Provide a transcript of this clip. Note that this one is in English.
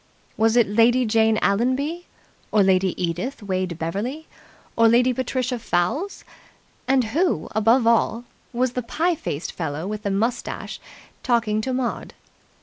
Was it Lady Jane Allenby or Lady Edith Wade Beverly or Lady Patricia Fowles? And who, above all, was the pie faced fellow with the moustache talking to Maud?